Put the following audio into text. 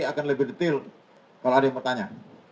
akan lebih detail kalau ada yang bertanya